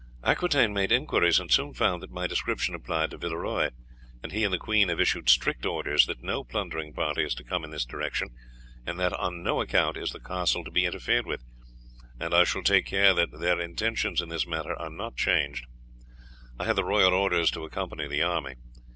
"Aquitaine made inquiries and soon found that my description applied to Villeroy, and he and the queen have issued strict orders that no plundering party is to come in this direction, and that on no account is the castle to be interfered with, and I shall take care that their intentions in this matter are not changed. I had the royal orders to accompany the army.